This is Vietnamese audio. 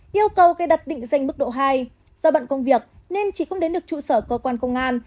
yêu cầu cài đặt định danh mức độ hai do bận công việc nên chị không đến được trụ sở cơ quan công an